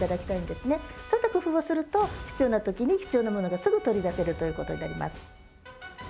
そういった工夫をすると必要な時に必要なものがすぐ取り出せるということになります。